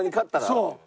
そう。